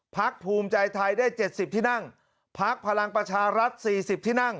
พักภูมิใจไทย๗๐เขตพักพลังประชารัฐ๔๐เขต